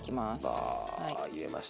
わ入れました。